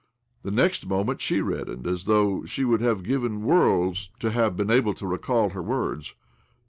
The next moment she reddened as though she would have given worlds to have been able to recall her words.